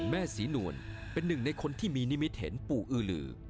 แม่ศรีนวลเป็นหนึ่งในคนที่มีนิมิตเห็นปู่อือลือ